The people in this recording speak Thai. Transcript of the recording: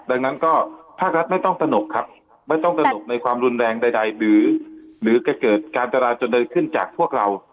ดังนั้นก็ภาครัฐไม่ต้องตนกครับไม่ต้องตระหนกในความรุนแรงใดหรือเกิดการจราจนเดินขึ้นจากพวกเรา